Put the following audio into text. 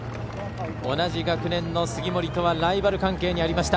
同じ学年の杉森とはライバル関係にありました。